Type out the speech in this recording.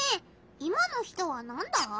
今の人はなんだ？